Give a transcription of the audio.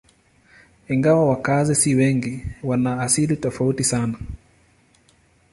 Ingawa wakazi si wengi, wana asili tofauti sana.